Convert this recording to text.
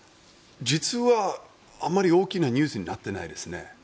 実はあまり大きなニュースになってないですね。